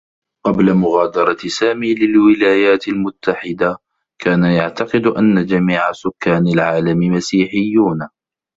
قبل مغادرة سامي للولايات المتّحدة، كان يعتقد أنّ جميع سكّان العالم مسيحيّون.